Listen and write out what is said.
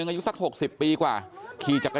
เดี๋ยวให้กลางกินขนม